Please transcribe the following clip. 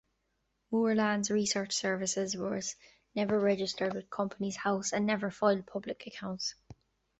Moorlands Research Services was never registered with Companies House, and never filed public accounts.